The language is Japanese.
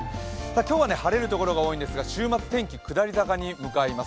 今日は晴れるところが多いんですが週末、天気、下り坂に向かいます。